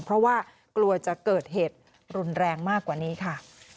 เพราะว่ากลัวจะเกิดเหตุรุนแรงมากกว่านี้ค่ะ